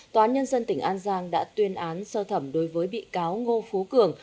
tòa án nhân dân tỉnh an giang đã tuyên án sơ thẩm đối với bị cáo ngô phú cường